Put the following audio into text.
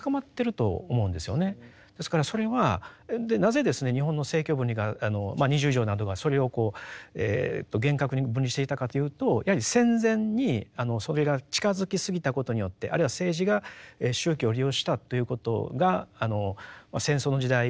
ですからそれはなぜですね日本の政教分離がまあ二十条などがそれを厳格に分離していたかというとやはり戦前にそれが近づき過ぎたことによってあるいは政治が宗教を利用したということが戦争の時代とですね